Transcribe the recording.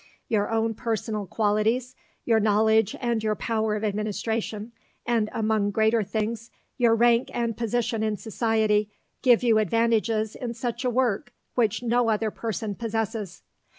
Your own personal qualities, your knowledge and your power of administration, and among greater things your rank and position in Society give you advantages in such a work which no other person possesses.